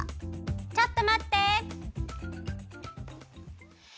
・ちょっとまって！